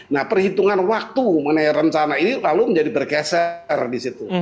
nah perhitungan waktu mengenai rencana ini lalu menjadi bergeser di situ